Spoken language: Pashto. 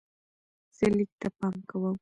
زه لیک ته پام کوم.